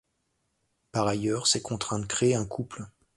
Par ailleurs, ces contraintes créent un couple.